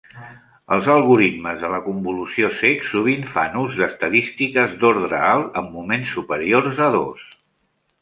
Els algorismes de convolució cecs sovint fan ús d'estadístiques d'ordre alt, amb moments superiors a dos.